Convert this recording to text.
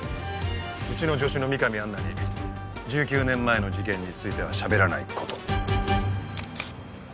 うちの助手の美神アンナに１９年前の事件についてはしゃべらないこと。